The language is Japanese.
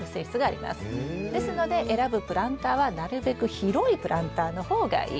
ですので選ぶプランターはなるべく広いプランターの方がいい。